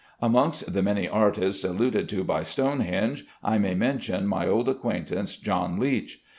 Amongst the "many artists" alluded to by Stonehenge I may mention my old acquaintance John Leech.